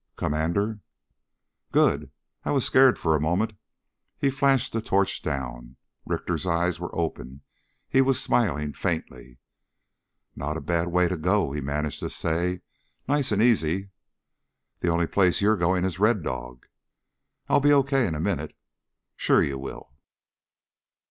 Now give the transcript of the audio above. "Commander...?" "Good. I was scared for a moment." He flashed the torch down. Richter's eyes were open; he was smiling faintly. "Not a bad way to go," he managed to say. "Nice and easy." "The only place you're going is Red Dog." "I'll be okay in a minute." "Sure you will."